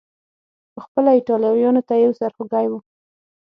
پخپله ایټالویانو ته یو سر خوږی و.